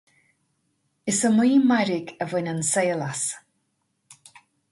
Is iomaí mairg a bhain an saol as